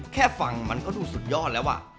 แค่ฟังมันก็ดูสุดยอดแล้ว